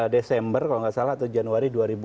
desember kalau gak salah atau januari